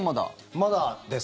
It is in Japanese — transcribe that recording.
まだです。